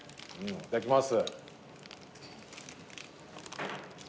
いただきます。